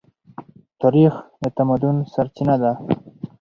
تاریخ د تمدن سرچینه ده.